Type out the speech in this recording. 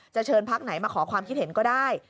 เชิญพักไหนมาขอความคิดเห็นก็ได้